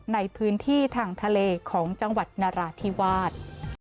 ในพื้นที่ทางทะเลของจังหวัดนราธิวาส